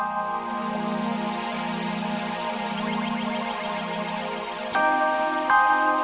sampai jumpa di video selanjutnya